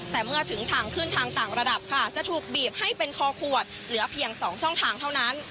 แต่เมื่อถึงทางขึ้นทางต่างระดับค่ะจะถูกบีบให้เป็นคอขวดเหลือเพียง๒ช่องทางเท่านั้น